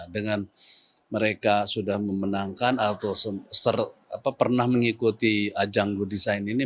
dengan mereka sudah memenangkan atau pernah mengikuti ajang good design ini